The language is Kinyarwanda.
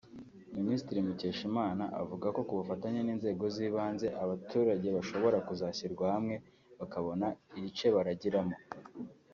Minisitiri Mukeshimana avuga ko ku bufatanye n’inzego z’ibanze abaturage bashobora kuzashyirwa hamwe bakabona igice baragiramo